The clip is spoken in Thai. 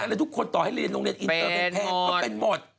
ไอ้ตัวปูแพทย์เป็นหมด